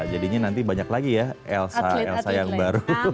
jadinya nanti banyak lagi ya elsa yang baru